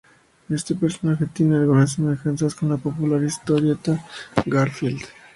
Este personaje tiene algunas semejanzas con la popular historieta Garfield.